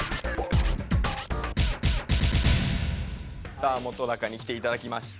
さあ本に来ていただきました。